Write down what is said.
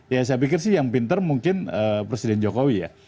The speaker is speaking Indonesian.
ya saya pikir sih yang pinter mungkin presiden jokowi ya